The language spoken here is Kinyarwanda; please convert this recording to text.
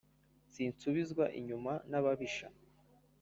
Sinsubizwa inyuma n'ababisha